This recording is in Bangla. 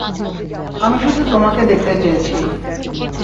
আমি শুধু তোমাকে দেখাতে চেয়েছি।